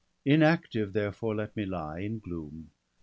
Inactive therefore let me lie, in gloom.